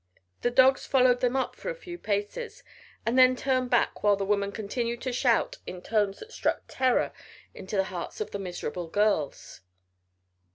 The dogs followed them up for a few paces, and then turned back while the woman continued to shout in tones that struck terror into the hearts of the miserable girls.